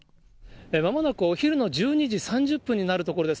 まもなくお昼の１２時３０分になるところです。